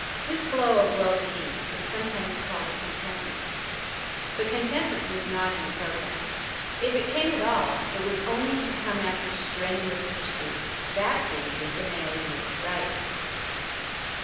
This glow of well being is sometimes called contentment, but contentment was not in the programme. If it came at all, it was only to come after strenuous pursuit, that being the inalienable right.